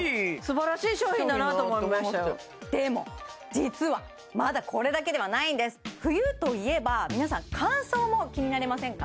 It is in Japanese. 実はまだこれだけではないんです冬といえば皆さん乾燥も気になりませんか？